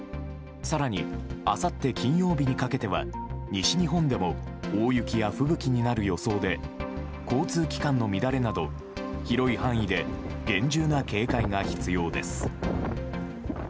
更に、あさって金曜日にかけては西日本でも大雪や吹雪になる予想で交通機関の乱れなど広い範囲で厳重な警戒が必要です。